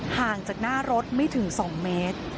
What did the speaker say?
ห่างจากหน้ารถไม่ถึง๒เมตร